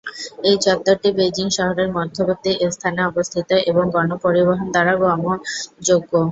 এই চত্বরটি বেইজিং শহরের মধ্যবর্তী স্থানে অবস্থিত এবং গণপরিবহন দ্বারা গমণযোগ্য।